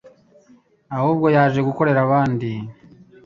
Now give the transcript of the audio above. ahubwo yaje gukorera abandi